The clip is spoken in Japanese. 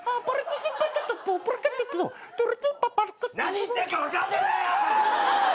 何言ってるか分かんねえんだよ！